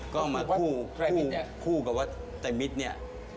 ก็มาผู้ผู้กับวัดไตรมิตรนี่ก็คือวัดไตรมิตร